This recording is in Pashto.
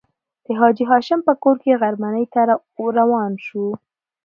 د حاجي هاشم په کور کې غرمنۍ ته روان شوو.